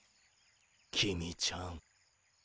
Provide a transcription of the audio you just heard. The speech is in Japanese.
公ちゃん。